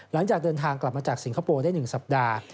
หลังจากเดินทางกลับมาจากสิงคโปร์ได้๑สัปดาห์